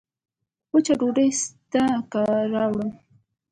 وچه ډوډۍ سته که راوړم